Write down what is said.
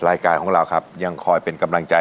รายการของเราครับยังคอยเป็นกำลังใจ